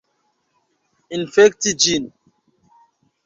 Infekti ĝin!